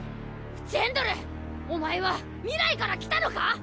ジェンドルお前は未来から来たのか！？